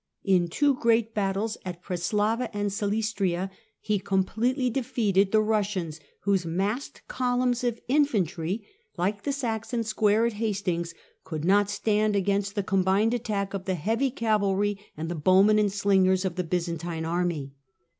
In two great battles at Presth lava and Silistria he completely defeated the Eussians, whose massed columns of infantry, like the Saxon square at Hastings, could not stand against the combined attack of the heavy cavalry and the bowmen and slingers of the Byzantine army.